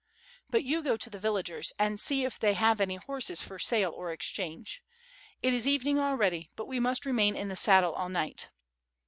"But you go to the villagers and see if they have any horses for sale or exchange. It is evening already, but we must remain in the saddle all night.'